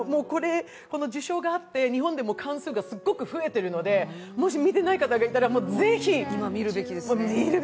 この受賞があって、日本でも館数がすごく増えているので、もし見てない方が、ぜひ今、見るべきです。